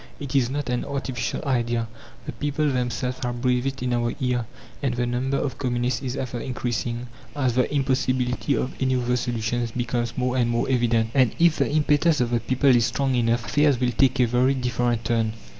It is not an artificial idea. The people themselves have breathed it in our ear, and the number of communists is ever increasing, as the impossibility of any other solution becomes more and more evident. And if the impetus of the people is strong enough, affairs will take a very different turn.